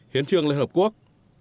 hiến trường liên hợp quốc